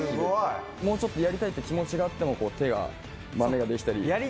もうちょっとやりたいっていう気持ちがあっても、手がまめが出来たり。